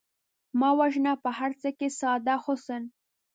مه وژنئ په هر څه کې ساده حسن